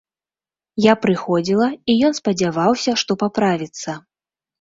Я прыходзіла, і ён спадзяваўся, што паправіцца.